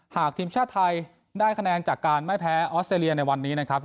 หากทีมชาติไทยได้คะแนนจากการไม่แพ้ออสเตรเลียในวันนี้นะครับ